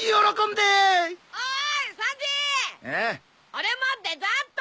俺もデザート。